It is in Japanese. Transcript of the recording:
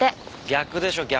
逆でしょ逆！